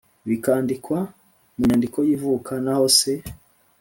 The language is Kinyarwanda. Bikandikwa mu nyandiko y ivuka naho se